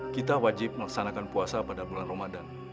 kita wajib melaksanakan puasa pada bulan ramadan